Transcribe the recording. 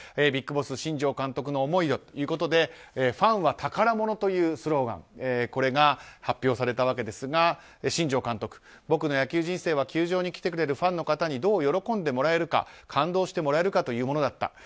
ビッグボス新庄監督の思いをということで「ファンは宝物」というスローガンが発表されたわけですが新庄監督、僕の野球人生は球場に来てくれるファンの方にどう喜んでもらえるか感動してもらえるかというものであった。